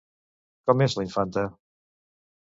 Com és la infanta?